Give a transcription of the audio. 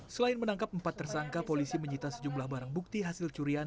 selain menangkap empat tersangka polisi menyita sejumlah barang bukti hasil curian